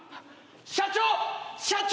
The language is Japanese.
社長！社長！